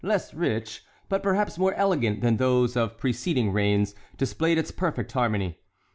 less rich, but perhaps more elegant than those of preceding reigns, displayed its perfect harmony.